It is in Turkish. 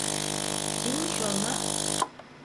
Kimmiş onlar?